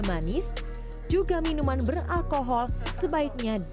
ekonomi klasifikasi aplikasi arus dan kristalus pusperta thai adversa roanda